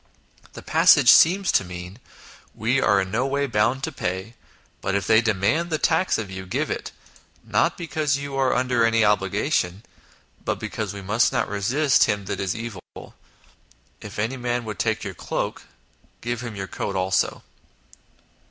The passage seems to mean :" We are in no way bound to pay, but if they demand the tax of you, give it, not because you are under 16 INTRODUCTION any obligation, but because we must not resist him that is evil. If any man would take your cloak, give him your coat also."